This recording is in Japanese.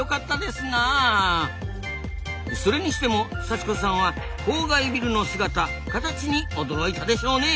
それにしても佐知子さんはコウガイビルの姿かたちに驚いたでしょうね。